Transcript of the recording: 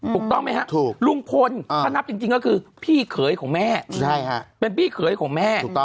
ถูกต้องไหมครับลุงพลถ้านับจริงก็คือพี่เขยของแม่เป็นพี่เขยของแม่